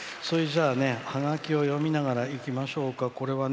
それじゃあハガキを読みながらいきましょうか。